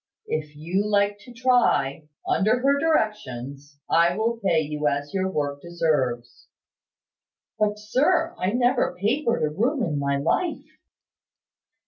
If you like to try, under her directions, I will pay you as your work deserves." "But, sir, I never papered a room in my life."